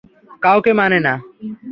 কাউকে মানে না।